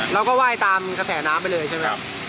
เราก็ไหว้ตามกระแสน้ำไปเลยใช่ไหมครับ